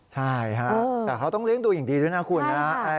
ใช่ฮะแต่เขาต้องเลี้ยงดูอย่างดีด้วยนะคุณนะ